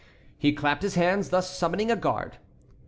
He clapped his hands, thus summoning a guard.